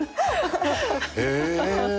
へえ！